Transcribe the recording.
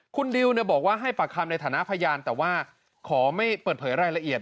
คุณดิวบอกว่าให้ปากคำในฐานะพยานแต่ว่าขอไม่เปิดเผยรายละเอียด